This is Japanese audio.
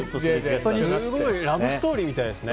すごいラブストーリーみたいですね。